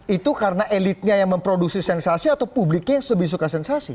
itu karena elitnya yang memproduksi sensasi atau publiknya lebih suka sensasi